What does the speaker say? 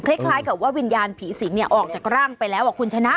คล้ายกับว่าวิญญาณผีสิงออกจากร่างไปแล้วคุณชนะ